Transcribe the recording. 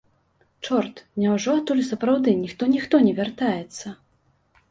Чорт, няўжо адтуль сапраўды ніхто-ніхто не вяртаецца?